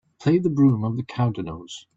Play the Broom Of The Cowdenknowes.